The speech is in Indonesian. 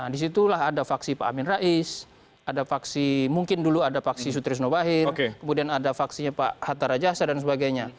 disitulah ada faksi pak amin rais ada faksi mungkin dulu ada faksi sutrisno bahir kemudian ada faksinya pak hatta rajasa dan sebagainya